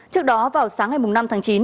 trước đó vào sáng ngày năm tháng chín